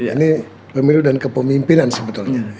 ini pemilu dan kepemimpinan sebetulnya